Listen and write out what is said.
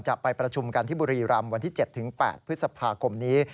จะไปประชุมกันที่บุรีรำวันที่๗๘พฤษภาคมนี้